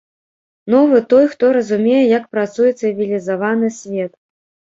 Новы той, хто разумее, як працуе цывілізаваны свет.